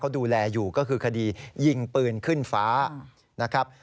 ดูแลอยู่ก็คือคดียิงปืนขึ้นฟ้านะครับ